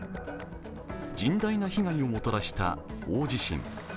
甚大な被害をもたらした大地震。